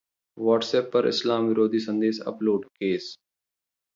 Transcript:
Whatsapp पर इस्लाम विरोधी संदेश अपलोड, केस